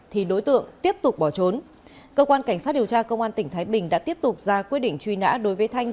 thì đối tượng tiếp tục bỏ trốn cơ quan cảnh sát điều tra công an tỉnh thái bình đã tiếp tục ra quyết định truy nã đối với thanh